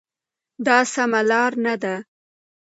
دا سمه لار نه ده.